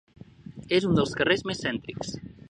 És un dels carrers més cèntrics.